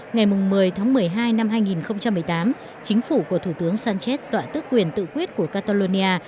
ngày một mươi tháng một mươi hai năm hai nghìn một mươi tám chính phủ của thủ tướng sánchez dọa tức quyền tự quyết của catalonia